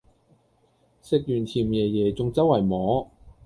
食完甜椰椰仲周圍摸